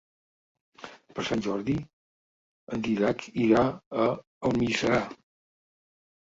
Per Sant Jordi en Dídac irà a Almiserà.